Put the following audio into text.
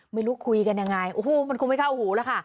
ไม่รู้คุยกันยังไงโอ้โหมันคงไม่เข้าหูแล้วค่ะ